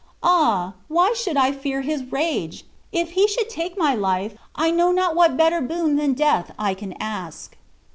Ah! why should I fear his rage? If he should take my life, I know not what better boon than death I can ask.